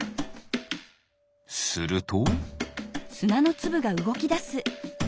すると。